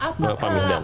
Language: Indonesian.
menurut pak gitan